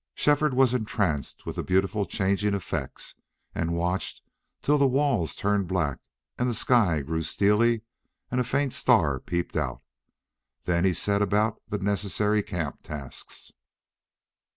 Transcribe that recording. Shefford was entranced with the beautiful changing effects, and watched till the walls turned black and the sky grew steely and a faint star peeped out. Then he set about the necessary camp tasks.